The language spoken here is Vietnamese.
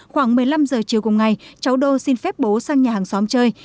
khoảng một mươi năm giờ chiều cùng ngày cháu đô xin phép bố sang nhà hàng xóm chơi